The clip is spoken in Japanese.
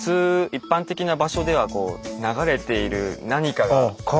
一般的な場所では流れている何かが。